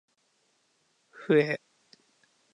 ふぇ